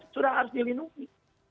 sudah harus dilindungi